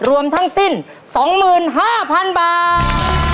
รวมทั้งสิ้น๒๕๐๐๐บาท